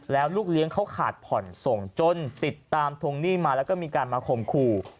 แล้วลูกเลี้ยงเขาขาดผ่อนส่งจนติดตามทวงหนี้มาแล้วก็มีการมาข่มขู่